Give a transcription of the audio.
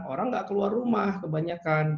orang nggak keluar rumah kebanyakan